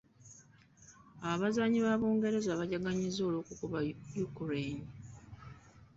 Abazanyi ba Bungereza bajaganyizza olw’okukuba Yukureyini.